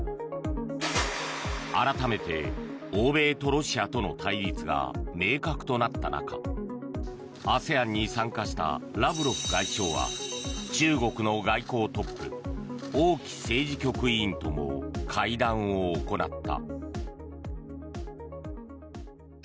改めて、欧米とロシアとの対立が明確となった中ＡＳＥＡＮに参加したラブロフ外相は中国の外交トップ王毅政治局委員とも会談を行った。